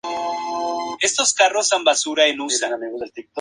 Este primer congreso fue presidido por Epifanio Montoya.